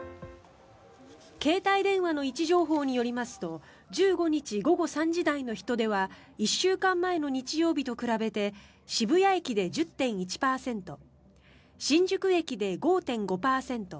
携帯電話の位置情報によりますと１５日午後３時台の人出は１週間前の日曜日と比べて渋谷駅で１０．１％新宿駅で５．５％